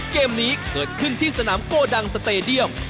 เกมนี้เกิดขึ้นที่สนามโกดังสเตดียม